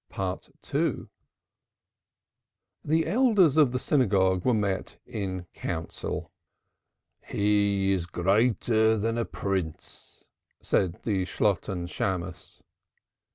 The elders of the synagogue were met in council. "He is greater than a Prince," said the Shalotten Shammos.